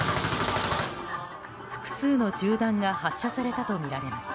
複数の銃弾が発射されたとみられます。